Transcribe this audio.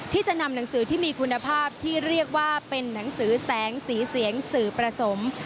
ที่จะนำหนังสือที่มีคุณภาพที่เรียกว่าเป็นหนังสือแสงสีเสียงสื่อผสม